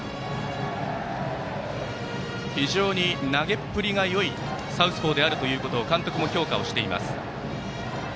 非常に投げっぷりがよいサウスポーであることを監督も評価をしています。